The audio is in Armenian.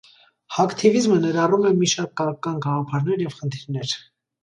Հաքթիվիզմը ներառում է մի շարք քաղաքական գաղափարներ եւ խնդիրներ։